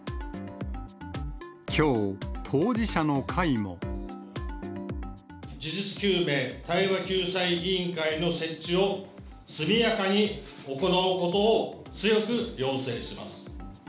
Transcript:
きょう、事実究明、対話救済委員会の設置を速やかに行うことを強く要請します。